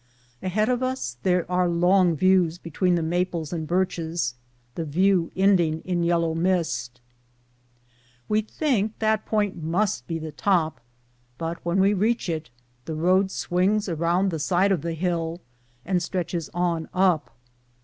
Ahead of us there are long views between the maples and birches, the view ending in yellow mist. We think that point must be the top, but when we reach it the road UPHILL IN FOG 43 swings around the side of the hill and stretches on up.